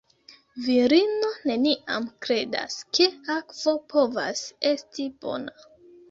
Virino neniam kredas, ke akvo povas esti bona.